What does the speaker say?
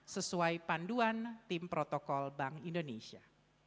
sesuai panduan tim protokol bank indonesia